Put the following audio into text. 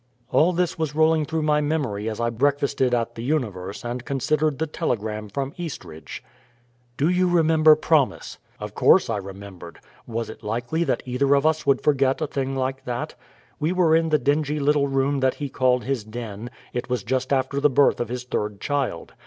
All this was rolling through my memory as I breakfasted at the Universe and considered the telegram from Eastridge. "Do you remember promise?" Of course I remembered. Was it likely that either of us would forget a thing like that? We were in the dingy little room that he called his "den"; it was just after the birth of his third child.